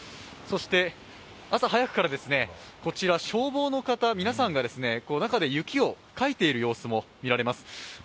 そして、朝早くからこちら消防の方、皆さんが中で雪をかいている様子も見られます。